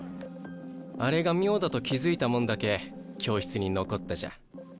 あれが妙だと気付いた者だけ教室に残ったじゃ。